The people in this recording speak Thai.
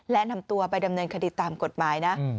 และนำตัวไปดำเนินคดีตามกฎหมายนะ